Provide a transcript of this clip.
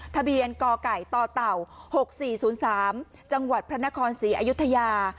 ทะเบียนก่อไก่ต่อเต่าหกสี่ศูนย์สามจังหวัดพระนครสีอายุทยา